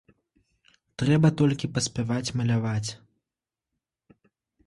Трэба толькі паспяваць маляваць.